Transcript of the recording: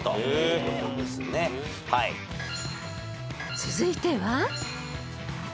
［続いては］